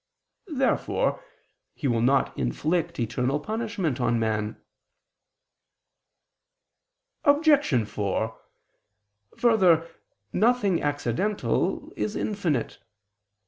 Therefore He will not inflict eternal punishment on man. Obj. 4: Further, nothing accidental is infinite.